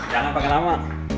jangan pake lama